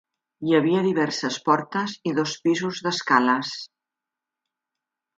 Hi havia diverses portes i dos pisos d'escales.